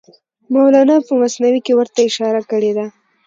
مولانا په مثنوي کې ورته اشاره کړې ده.